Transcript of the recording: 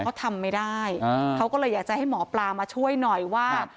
เขาทำไม่ได้เขาก็เลยอยากจะให้หมอปลามาช่วยหน่อยว่า